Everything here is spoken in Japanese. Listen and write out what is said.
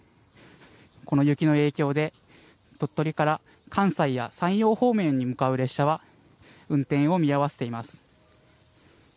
この雪の影響で鳥取から関西や山陽方面に向かう列車は運転を見合わせています。